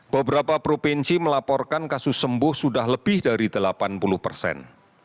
beberapa provinsi melaporkan kasus sembuh sudah lebih dari delapan puluh persen